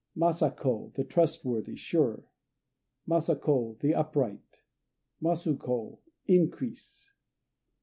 Masa ko "The Trustworthy," sure. Masa ko "The Upright." Masu ko "Increase."